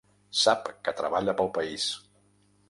Sap que treballa pel país.